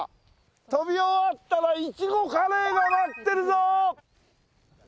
飛び終わったら苺カレーが待ってるぞ！